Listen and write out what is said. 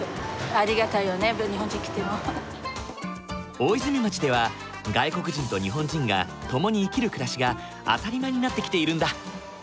大泉町では外国人と日本人が共に生きる暮らしが当たり前になってきているんだ。